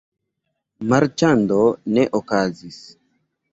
Marĉando ne okazis.